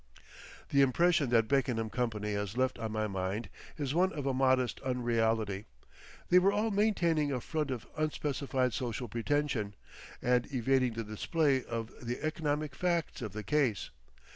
The impression that Beckenham company has left on my mind is one of a modest unreality; they were all maintaining a front of unspecified social pretension, and evading the display of the economic facts of the case.